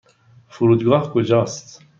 فرودگاه کجا است؟